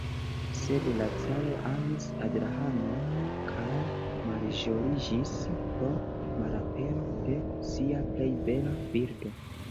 Sed la caro amis Adrahanon kaj malĝojiĝis pro malapero de sia plej bela birdo.